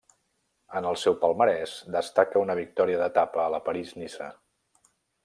En el seu palmarès destaca una victòria d'etapa a la París-Niça.